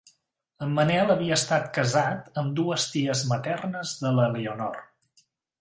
En Manel havia estat casat amb dues ties maternes de l'Elionor.